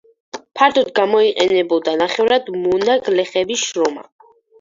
ფართოდ გამოიყენებოდა ნახევრად მონა გლეხების შრომა.